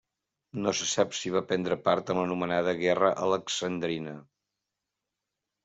No se sap si va prendre part a l'anomenada guerra alexandrina.